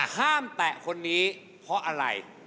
แตะคนนี้เพราะอะไร